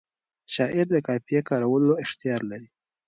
شاعر د قافیه کارولو اختیار لري.